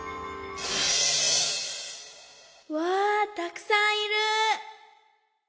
わあたくさんいる！